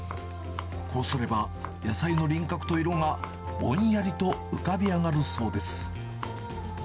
こうすれば、野菜の輪郭と色が、ぼんやりと浮かび上がるそうです。